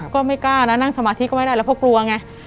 ก็ไม่กล้านะนั่งสมาธิก็ไม่ได้แล้วเพราะกลัวไง